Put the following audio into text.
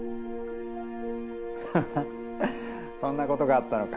ハハッそんなことがあったのか。